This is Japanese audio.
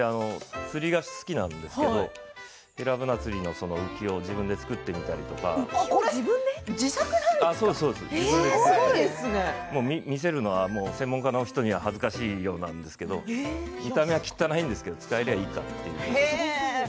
釣りが好きなんですけどヘラブナ釣りの浮きを自作なんですか見せるのは専門家の人には恥ずかしいんですけど見た目が汚いんですけど使えればいいかって。